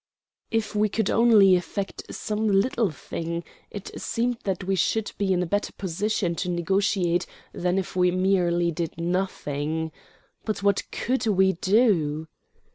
If we could only effect some little thing, it seemed that we should be in a better position to negotiate than if we merely did nothing. But what could we do?